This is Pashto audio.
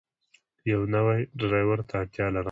یو نوی ډرایور ته اړتیا لرم.